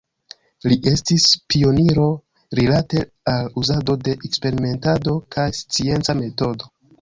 Li estis pioniro rilate al uzado de eksperimentado kaj scienca metodo.